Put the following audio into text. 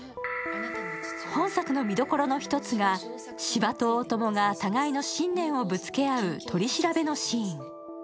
本作の見どころの一つが斯波と大友が互いの信念をぶつけ合う、取り調べのシーン。